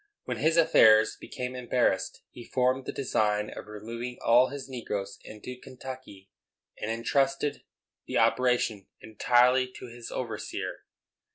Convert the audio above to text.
When his affairs became embarrassed, he formed the design of removing all his negroes into Kentucky, and intrusted the operation entirely to his overseer.